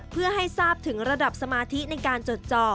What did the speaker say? เพื่อให้ทราบถึงระดับสมาธิในการจดจ่อ